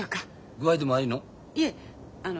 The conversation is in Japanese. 具合でも悪いの？